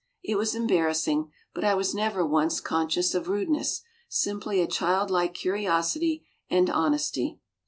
It was embarrassing but I was never once conscious of rudeness, simply a childlike curiosity and honesty.